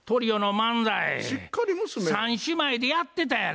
３姉妹でやってたやろ。